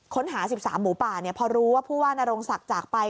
ค้นหา๑๓หมูป่าพอรู้ว่าผู้ว่านโรงศักดิ์จากไป